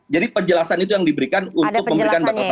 jadi penjelasan itu yang diberikan untuk memberikan batasan batasan